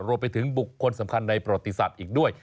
รวมไปถึงบุคคลสำคัญในประวัติศาสตร์อีกด้วย